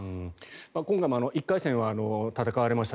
今回も１回戦は戦われました。